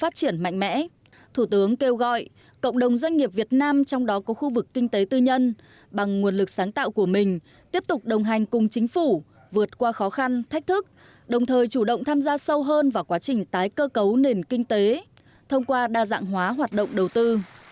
phát triển mạnh mẽ thủ tướng kêu gọi cộng đồng doanh nghiệp việt nam trong đó có khu vực kinh tế tư nhân bằng nguồn lực sáng tạo của mình tiếp tục đồng hành cùng chính phủ vượt qua khó khăn thách thức đồng thời chủ động tham gia sâu hơn vào quá trình tái cơ cấu nền kinh tế thông qua đa dạng hóa hoạt động đầu tư